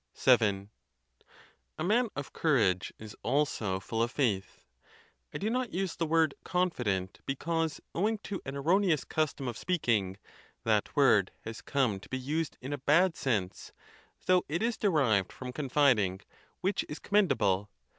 VII. A man of courage is also full of faith. I do not use the word confident, because, owing to an erroneous custom of speaking, that word has come to be used in a bad sense, though it is derived from confiding, which is commendable.